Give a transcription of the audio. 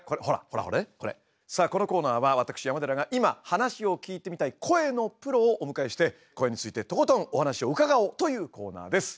さあこのコーナーは私山寺が今話を聞いてみたい声のプロをお迎えして声についてとことんお話を伺おうというコーナーです。